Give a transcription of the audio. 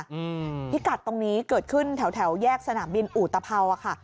อืมพิกัดตรงนี้เกิดขึ้นแถวแถวแยกสนามบินอุตภาวอ่ะค่ะ